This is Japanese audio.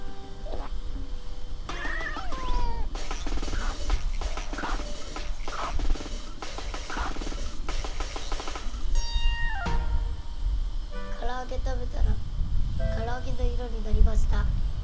からあげたべたらからあげのいろになりました。